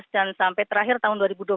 dan sampai terakhir tahun dua ribu tujuh belas